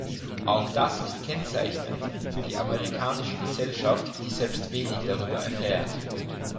Auch das ist kennzeichnend für die amerikanische Gesellschaft, die selbst wenig darüber erfährt.